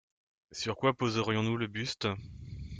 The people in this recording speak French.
Sur quoi poserions-nous le buste ?